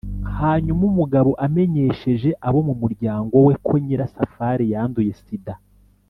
hanyuma umugabo amenyesheje abo mu muryango we ko nyirasafari yanduye sida.